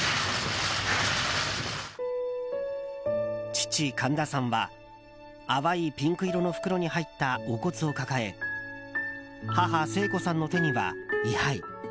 父・神田さんは淡いピンク色の袋に入ったお骨を抱え母・聖子さんの手には位牌。